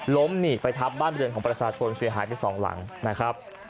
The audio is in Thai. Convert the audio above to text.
หนีบไปทับบ้านบริเวณของประชาชนเสียหายไปสองหลังนะครับ